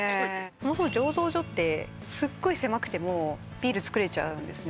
そもそも醸造所ってすっごい狭くてもビールつくれちゃうんですね